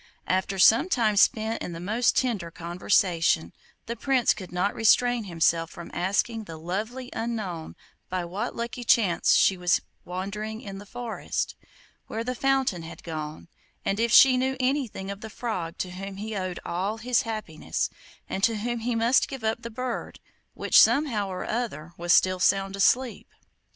After some time spent in the most tender conversation, the Prince could not restrain himself from asking the lovely unknown by what lucky chance she was wandering in the forest; where the fountain had gone; and if she knew anything of the Frog to whom he owed all his happiness, and to whom he must give up the bird, which, somehow or other, was still sound asleep.